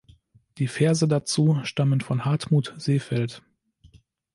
Die Verse dazu stammen von Hartmut Seefeld.